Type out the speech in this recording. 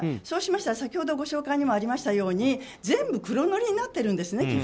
そうしましたら先ほどご紹介にありましたように全部黒塗りになってるんですね